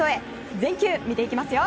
全球見ていきますよ。